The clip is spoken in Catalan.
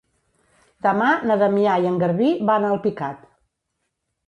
Demà na Damià i en Garbí van a Alpicat.